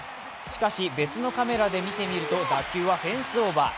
しかし、別のカメラで見てみると打球はフェンスオーバー。